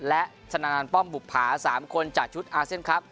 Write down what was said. และธนาภัณฑ์ป้อมบุคผา๓คนจากชุดอาเซนครับ